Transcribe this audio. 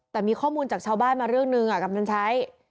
แต่มีข้อมูลจากชาวบ้านมาเรื่องหนึ่งกำนันชัย